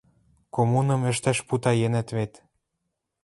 — Коммуным ӹштӓш путаенӓт вет!